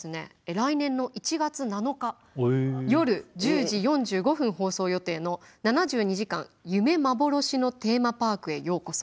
来年の１月７日夜１０時４５分放送予定の「７２時間夢幻のテーマパークへようこそ」。